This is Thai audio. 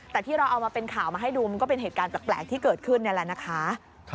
แต่ที่เราเอามาเป็นข่าวมาให้ดูมันก็เป็นเหตุการณ์แปลกที่เกิดขึ้นนี่แหละนะคะ